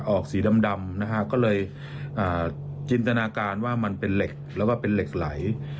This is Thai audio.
ออกสีดำนะฮะก็เลยจินตนาการว่ามันเป็นเหล็กแล้วก็เป็นเหล็กไหล